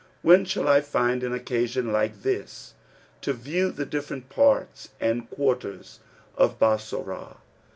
When shall I find an occasion like this to view the different parts and quarters of Bassorah?